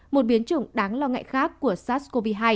một biến chủng đáng lo ngại khác của sars cov hai